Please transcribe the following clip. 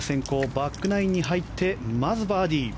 バックナインに入ってまずバーディー。